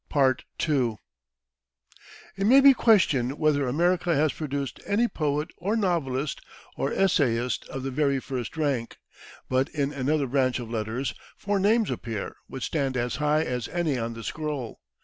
It may be questioned whether America has produced any poet or novelist or essayist of the very first rank, but, in another branch of letters, four names appear, which stand as high as any on the scroll.